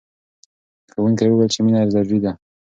ښوونکي وویل چې مینه ضروري ده.